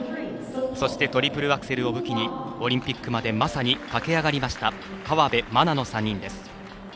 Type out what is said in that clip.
そしてトリプルアクセルを武器にオリンピックまでまさに駆け上がりました河辺愛菜の３人です。